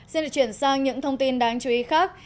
xin được chuyển sang những thông tin đáng chú ý khác